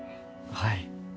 はい。